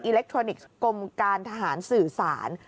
เล็กทรอนิกส์กรมการทหารสื่อสาร